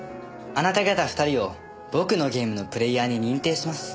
あなた方２人を僕のゲームのプレーヤーに認定します。